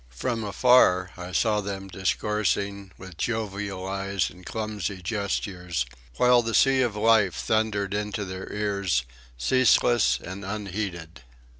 From afar I saw them discoursing, with jovial eyes and clumsy gestures, while the sea of life thundered into their ears ceaseless and unheeded.